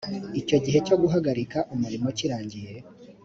iyo igihe cyo guhagarika umurimo kirangiye